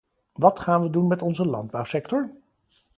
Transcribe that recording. Wat gaan we doen met onze landbouwsector?